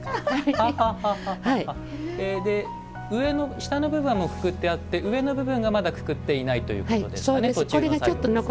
下の部分はくくってあって上の部分がまだ、くくっていないということですね。